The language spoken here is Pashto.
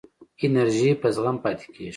انرژی په زغم پاتې کېږي.